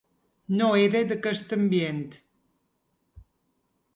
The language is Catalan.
No era d’aquest ambient.